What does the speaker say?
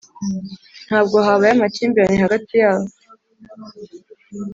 ntabwo habaye amakimbirane hagati yabo,